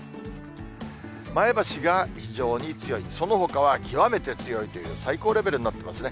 前橋が非常に強い、そのほかは極めて強いという、最高レベルになってますね。